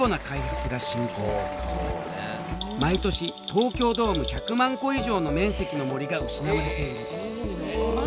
毎年東京ドーム１００万個以上の面積の森が失われている。